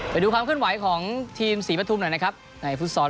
ไปดูความขึ้นไหวของทีมสี่ประทุ่มหน่อยนะครับในฟู้ซอล